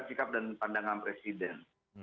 sikap dan pandangan presiden